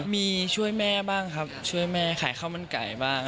มีช่วยแม่บ้างครับช่วยแม่ขายข้าวมันไก่บ้าง